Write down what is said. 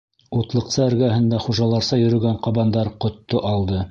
Утлыҡса эргәһендә хужаларса йөрөгән ҡабандар ҡотто алды.